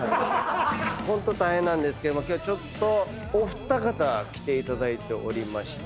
ホント大変なんですけども今日ちょっとお二方来ていただいておりまして。